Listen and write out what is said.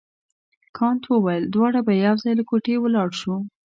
کانت وویل دواړه به یو ځای له کوټې ولاړ شو.